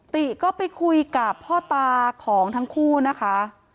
ติก็ไปคุยกับพ่อตาของทั้งคู่นะคะ